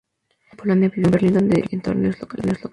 Nacido en Polonia, vivió en Berlín, donde jugó en torneos locales.